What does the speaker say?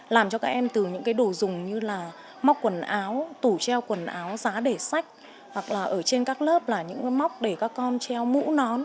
làm cho các em từ những cái đồ dùng như là móc quần áo tủ treo quần áo giá để sách hoặc là ở trên các lớp là những cái móc để các con treo mũ nón